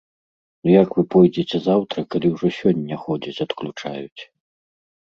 Ну як вы пойдзеце заўтра, калі ўжо сёння ходзяць адключаюць.